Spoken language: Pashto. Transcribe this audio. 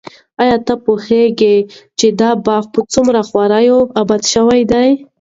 ایا ته پوهېږې چې دا باغ په څومره خواریو اباد شوی دی؟